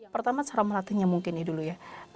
pertama cara melatihnya mungkin ya dulu ya